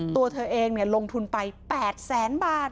ตัวเธอเองลงทุนไป๘แสนบาท